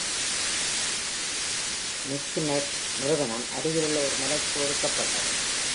Mikinak நியமனம் அருகிலுள்ள ஒரு மலைக்கு ஒதுக்கப்பட்டது.